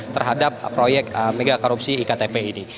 terhadap proyek mega korupsi iktp ini